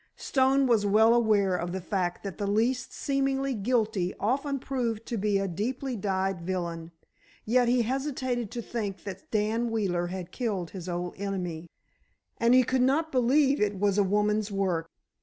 Stone was well aware of the fact that the least seemingly guilty often proved to be a deep dyed villain, yet he hesitated to think that Dan Wheeler had killed his old enemy, and he could not believe it was a woman's work.